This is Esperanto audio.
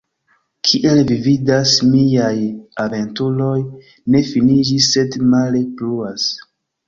Kiel vi vidas, miaj aventuroj ne finiĝis, sed male pluas.